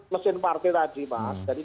mesin partai tadi mas jadi